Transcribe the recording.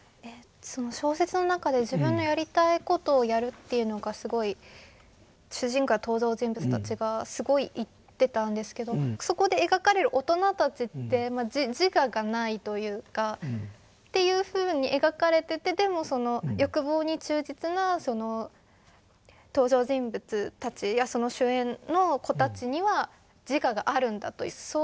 小説の中で自分のやりたい事をやるというのがすごい主人公や登場人物たちがすごい言ってたんですけどそこで描かれる大人たちって自我がないというか。というふうに描かれててでも欲望に忠実な登場人物たちや主演の子たちには自我があるんだという。